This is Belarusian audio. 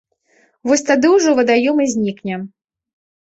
Вось тады ўжо вадаём і знікне.